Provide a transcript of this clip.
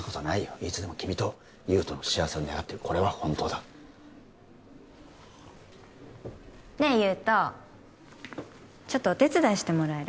いつでも君と優人の幸せを願ってるこれは本当だねえ優人ちょっとお手伝いしてもらえる？